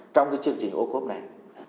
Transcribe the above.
trong chương trình ô cốp này